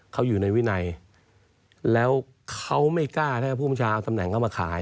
เขาอยู่ในวินัยและเขาไม่กล้าถ้าพวกมันลดสำแหลงเข้ามาขาย